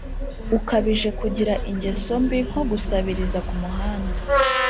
ukabije kugira ingeso mbi nko gusabiriza ku muhanda